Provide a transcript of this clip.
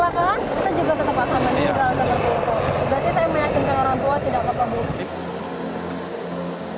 berarti saya meyakinkan orang tua tidak apa apa belum